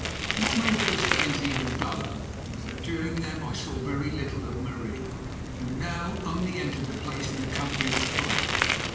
What made those days even duller was that during them I saw very little of Marie, who now only entered the place in the company of her father.